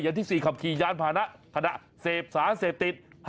อย่างที่๔ขับขี่ย้านผ่านขณะเสพสารเสพติด